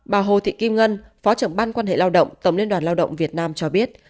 bà hồ thị kim ngân phó trưởng ban quan hệ lao động tổng liên đoàn lao động việt nam cho biết